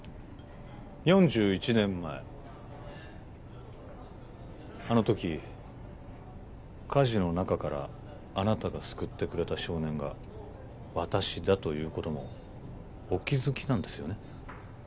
４１年前あの時火事の中からあなたが救ってくれた少年が私だということもお気づきなんですよね？